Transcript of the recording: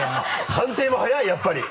判定も早いやっぱり。